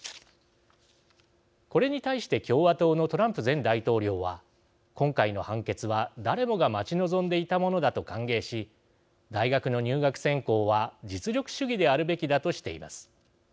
これに対して共和党のトランプ前大統領は今回の判決は誰もが待ち望んでいたものだと歓迎し大学の入学選考は実力主義であるべきだとしています。